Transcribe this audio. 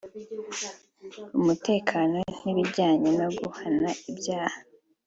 umutekano n’ibijyanye no guhana ibyaha